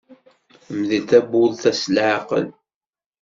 Mdel tawwurt-a s leɛqel.